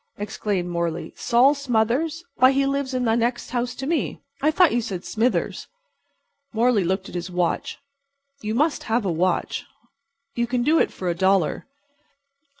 '" exclaimed Morley. "Sol Smothers? Why, he lives in the next house to me. I thought you said 'Smithers.'" Morley looked at his watch. You must have a watch. You can do it for a dollar.